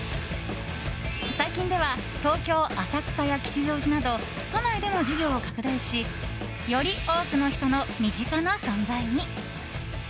最近では、東京・浅草や吉祥寺など都内でも事業を拡大しより多くの人の身近な存在に。